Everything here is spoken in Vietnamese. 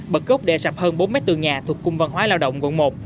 bật gốc đè sập hơn bốn m tường nhà thuộc cung văn hóa lao động quận một